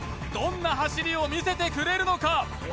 どんな走りを見せてくれるのか？